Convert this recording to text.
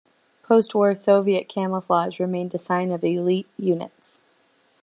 Post-war Soviet camouflage remained a sign of elite units.